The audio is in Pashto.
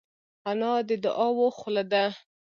انا د دعاوو خوله ده